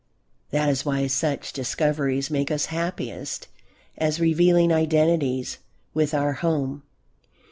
That is why such discoveries make us happiest as revealing identities with our home.